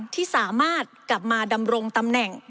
ที่สามารถกลับมาดำรงตำแหน่ง